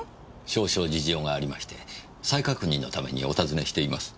少々事情がありまして再確認のためにお尋ねしています。